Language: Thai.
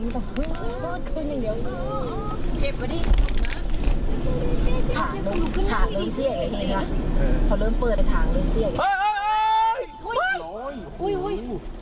ถ่านลงเขาเริ่มเปิดแต่ทางเริ่มเสี้ยอย่างงี้